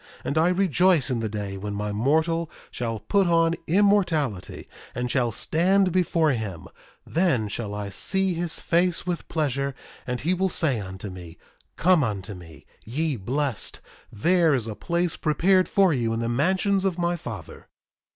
And I rejoice in the day when my mortal shall put on immortality, and shall stand before him; then shall I see his face with pleasure, and he will say unto me: Come unto me, ye blessed, there is a place prepared for you in the mansions of my Father.